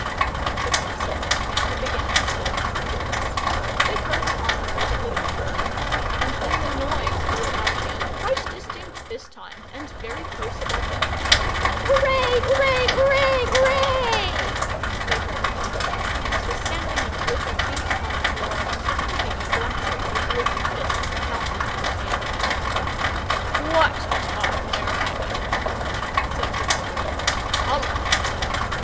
The passage now began to slope upwards; they groped onward a little further, and then the noise broke out again, quite distinct this time, and very close above them. "Ooo ray ooray oo ray ooray!" they heard, and the stamping of little feet on the floor, and the clinking of glasses as little fists pounded on the table. "What a time they're having!" said the Badger. "Come on!"